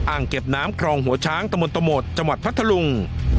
อ่างเก็บน้ำครองหัวช้างตะมนตะหมดจังหวัดพัทธลุง